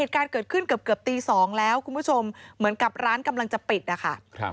การเกิดขึ้นเกือบตี๒แล้วคุณผู้ชมเหมือนกับร้านกำลังจะปิดนะคะ